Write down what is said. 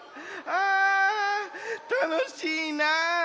あたのしいな。